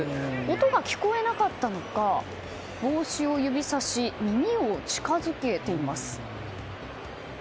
音が聞こえなかったのか帽子を指さし耳を近づけています。